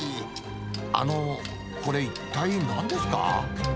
あの、これ、一体なんですか？